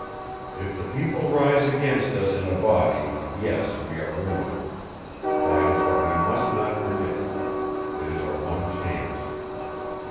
"If the people rise against us in a body yes, we are ruined. That is what we must not permit. It is our one chance.